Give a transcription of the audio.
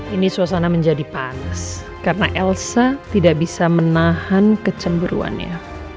ini suasana menjadi panas karena elsa tidak bisa menahan kecenderuannya